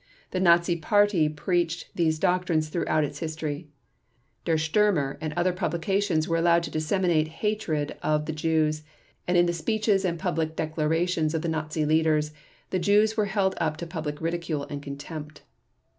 The Nazi Party preached these doctrines throughout its history. Der Stürmer and other publications were allowed to disseminate hatred of the Jews, and in the speeches and public declarations of the Nazi leaders, the Jews were held up to public ridicule and contempt.